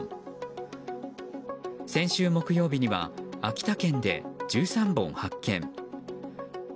先週木曜日には秋田県で１３本発見。